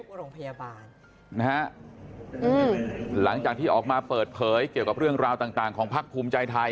โรงพยาบาลนะฮะอืมหลังจากที่ออกมาเปิดเผยเกี่ยวกับเรื่องราวต่างต่างของพักภูมิใจไทย